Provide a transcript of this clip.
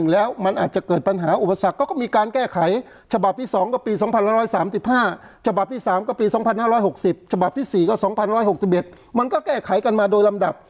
และอุปสรรคก็มีการแก้ไขฉบับที่๒ก็ปี๒๕๓๕ฉบับที่๓ก็ปี๒๕๖๐ฉบับที่๔ก็ปี๒๑๖๑มันก็แก้ไขกันมาโดยลำดับ